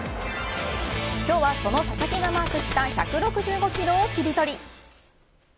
今日は、その佐々木がマークした１６５キロをキリトリ。